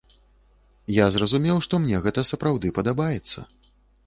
Я зразумеў, што мне гэта сапраўды падабаецца.